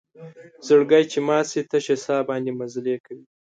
زړګۍ چې مات شي تشه سا باندې مزلې کوي